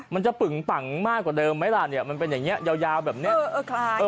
มันจะปึ่งปังมากกว่าเดิมไหมล่ะเนี่ยมันเป็นอย่างนี้ยาวแบบนี้